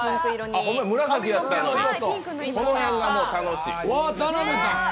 この辺がもう楽しい。